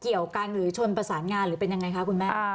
เกี่ยวกันหรือชนประสานงานหรือเป็นยังไงคะคุณแม่